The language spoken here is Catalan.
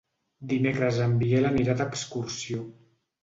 Dimecres en Biel anirà d'excursió.